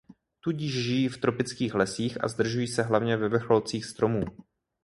Tudíž žijí v tropických lesích a zdržují se hlavně ve vrcholcích stromů.